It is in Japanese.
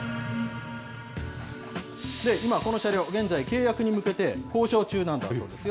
今、この車両、現在、契約に向けて交渉中なんだそうですよ。